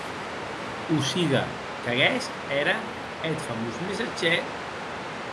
O sigue qu'aguest ère eth famós messatgèr!